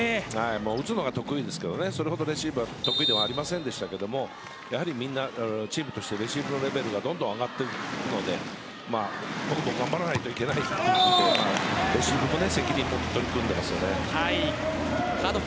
打つのが得意ですけどそれほどレシーブは得意ではありませんでしたがやはり、チームとしてレシーブのレベルがどんどん上がっているので僕も頑張らないといけないということで責任持って取り組んでいます。